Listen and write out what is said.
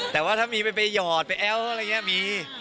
แต่ว่าถ้ามีไปหยอดไปแอ้วอะไรอย่างนี้มี